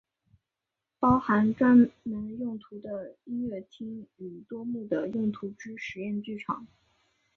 包含专门用途的音乐厅与多目的用途之实验剧场。